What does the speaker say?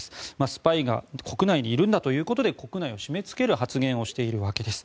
スパイが国内にいるんだということで国内を締めつける発言をしているわけです。